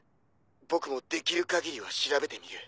僕もできるかぎりは調べてみる。